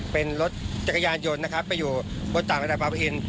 เป็นรถจักรยานยนต์นะครับไปอยู่บนต่างระดับอิน